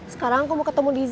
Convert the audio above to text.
sekarang aku mau ketemu dizy